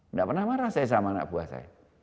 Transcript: nggak pernah marah saya sama anak buah saya